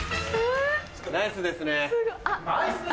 ナイスですね。